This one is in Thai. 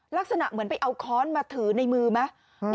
ลักษณะเหมือนไปเอาค้อนมาถือในมือไหม